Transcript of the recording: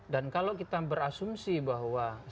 dan kalau kita berasumsi bahwa